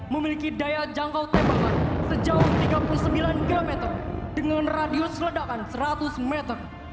memiliki daya jangkau tembakan sejauh tiga puluh sembilan km dengan radius ledakan seratus meter